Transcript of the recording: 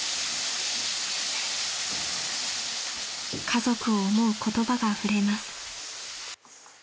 ［家族を思う言葉があふれます］